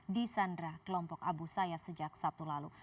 di sandra kelompok abu sayyaf sejak sabtu lalu